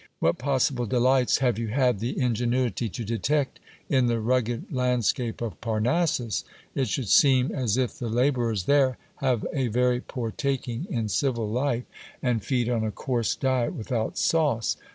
What possible delights have you had the ingenuity to detect in the rugged land scape of Parnassus ? \j£ should seem as if the labourers there have a very poor taking in civil life, and feed on a coarse diet without sauce.